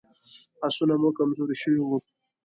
آسونه مو کمزوري شوي وو.